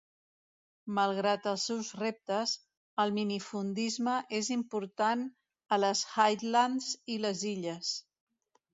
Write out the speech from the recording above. Malgrat els seus reptes, el minifundisme és important a les Highlands i les Illes.